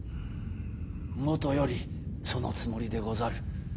もとよりそのつもりでござる。